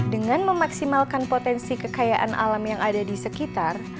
dengan memaksimalkan potensi kekayaan alam yang ada di sekitar